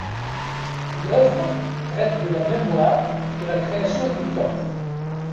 L'œuvre traite de la mémoire, de la création et du temps.